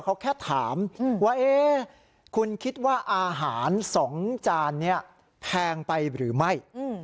เขาแค่ถามว่าคุณคิดว่าอาหาร๒จานนี้แพงไปหรือไม่